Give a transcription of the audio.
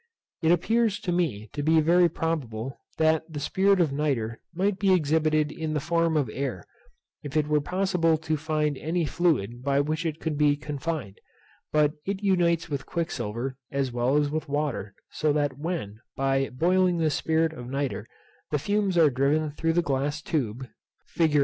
It appears to me to be very probable, that the spirit of nitre might be exhibited in the form of air, if it were possible to find any fluid by which it could be confined; but it unites with quicksilver as well as with water, so that when, by boiling the spirit of nitre, the fumes are driven through the glass tube, fig.